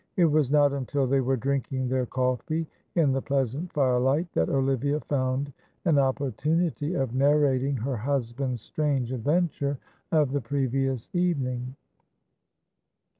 It was not until they were drinking their coffee in the pleasant firelight that Olivia found an opportunity of narrating her husband's strange adventure of the previous evening.